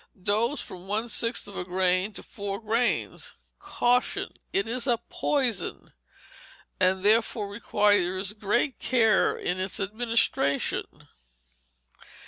Dose, from one sixth of a grain to four grains. Caution. It is a poison, and therefore requires great care in its administration.